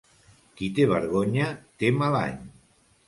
Qui té vergonya té mal any.